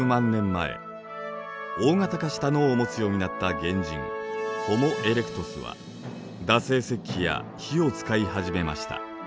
大型化した脳を持つようになった原人ホモ・エレクトスは打製石器や火を使い始めました。